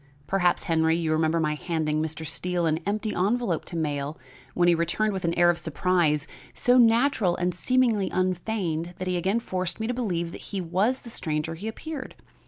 Perhaps, Henry, you remember my handing Mr. Steele an empty envelope to mail which he returned with an air of surprise so natural and seemingly unfeigned that he again forced me to believe that he was the stranger he appeared.